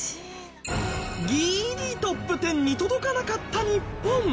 ギリトップ１０に届かなかった日本。